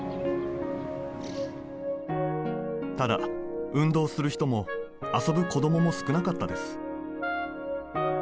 ただ運動する人も遊ぶ子どもも少なかったです